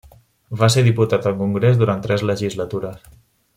Va ser diputat al Congrés durant tres legislatures.